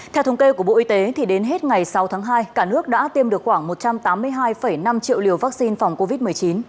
theo thống kê của bộ y tế đến hết ngày sáu tháng hai cả nước đã tiêm được khoảng một trăm tám mươi hai năm triệu liều vaccine phòng covid một mươi chín